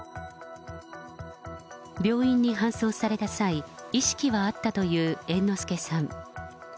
病院に搬送された際、意識はあったという猿之助さん。